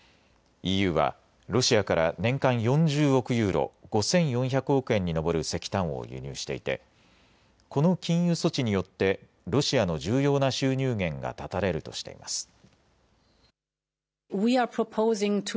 ＥＵはロシアから年間４０億ユーロ、５４００億円に上る石炭を輸入していてこの禁輸措置によってロシアの重要な収入源が断たれるとしています。